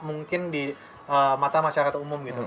mungkin di mata masyarakat umum gitu